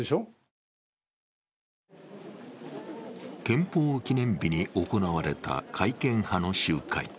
憲法記念日に行われた改憲派の集会。